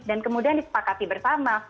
dan kemudian disepakati bersama